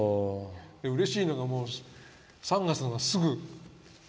うれしいのが、３月すぐ。